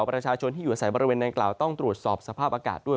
ประชาชนที่อยู่อาศัยบริเวณนางกล่าวต้องตรวจสอบสภาพอากาศด้วย